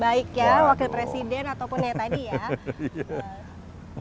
baik ya wakil presiden ataupun ya tadi ya